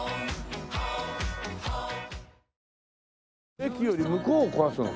駅より向こうを壊すのか。